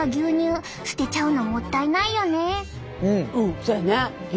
そやね。